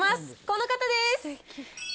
この方です。